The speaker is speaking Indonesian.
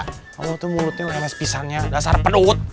kalau itu mulutnya lemes pisannya dasar penut